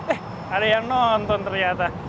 eh ada yang nonton ternyata